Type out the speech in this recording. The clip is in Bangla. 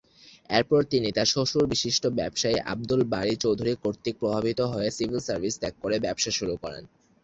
এরপর তিনি তার শ্বশুর বিশিষ্ট ব্যবসায়ী আবদুল বারী চৌধুরী কর্তৃক প্রভাবিত হয়ে সিভিল সার্ভিস ত্যাগ করে ব্যবসা শুরু করেন।